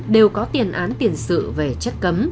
đều có tiền án tiền sự về chất cấm